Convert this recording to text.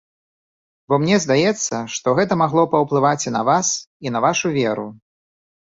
Бо мне здаецца, што гэта магло паўплываць і на вас, і на вашу веру.